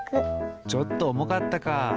ちょっとおもかったか。